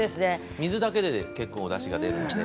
水だけでおだしが出るので。